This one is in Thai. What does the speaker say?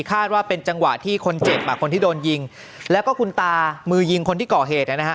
คาดว่าเป็นจังหวะที่คนเจ็บอ่ะคนที่โดนยิงแล้วก็คุณตามือยิงคนที่ก่อเหตุนะฮะ